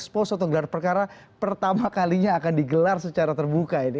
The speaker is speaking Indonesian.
pertama kalinya akan digelar secara terbuka ini